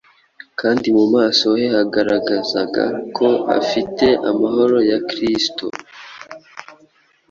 kandi mu maso he hagaragazaga ko afite amahoro ya Kristo.